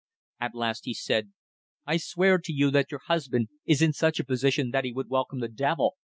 At last he said: "I swear to you that your husband is in such a position that he would welcome the devil